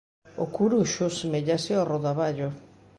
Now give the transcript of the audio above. O curuxo seméllase ao rodaballo.